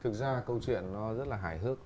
thực ra câu chuyện nó rất là hài hước